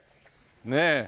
ねえ。